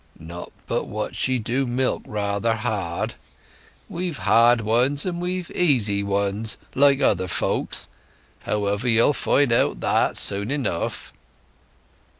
"Not but what she do milk rather hard. We've hard ones and we've easy ones, like other folks. However, you'll find out that soon enough."